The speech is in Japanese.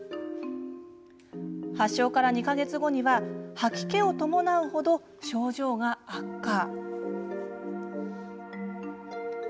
発症から２か月後には吐き気を伴う程、症状が悪化。